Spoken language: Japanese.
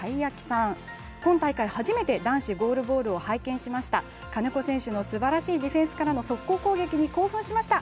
今大会初めて男子ゴールボールを拝見しました、金子選手のすばらしいディフェンスからの速攻攻撃に興奮しました。